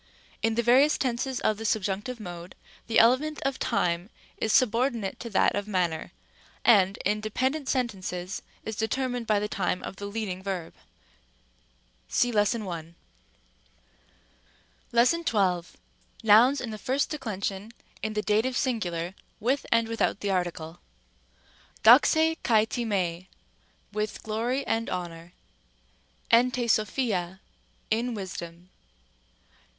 c. In the various tenses of the subjunctive mode, the element of time is subordinate to that of manner, and, in dependent sentences, is determined by the time of the leading verb. Cf. 81, Rem. a. 812, Nouns of the first declension, in the dative singular, with and without the article. δόξῃ καὶ τιμῇ, with glory and honor, (Heb. ii. 7.) ἐν τῇ σοφίᾳ, in wisdom.